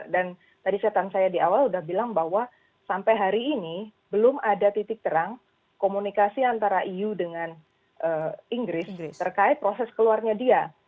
dan tadi setan saya di awal udah bilang bahwa sampai hari ini belum ada titik terang komunikasi antara eu dengan inggris terkait proses keluarnya dia